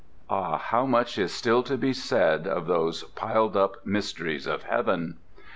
Ah, how much is still to be said of those piled up mysteries of heaven!